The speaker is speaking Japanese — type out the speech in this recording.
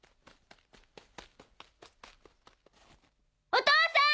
お父さん！